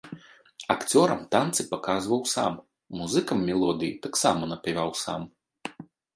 Акцёрам танцы паказваў сам, музыкам мелодыя таксама напяваў сам.